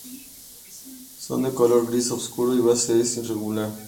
Son de color gris oscuro y su base es irregular.